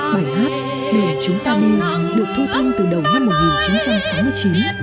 bài hát để chúng ta nghe được thu thanh từ đầu năm một nghìn chín trăm sáu mươi chín